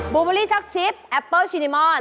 บูบูรีช็อกชิปแอปเปิลชินิมอล